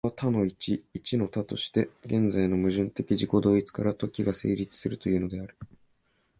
これを多の一、一の多として、現在の矛盾的自己同一から時が成立するというのである。